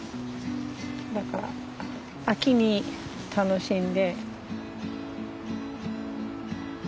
だから秋に楽しんで。